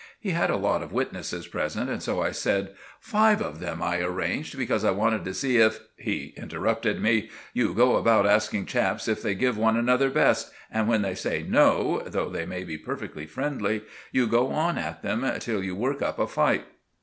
He had a lot of witnesses present and so I said— "Five of them I arranged, because I wanted to see if——" He interrupted me. "You go about asking chaps if they give one another 'best,' and when they say 'no,' though they may be perfectly friendly, you go on at them till you work up a fight."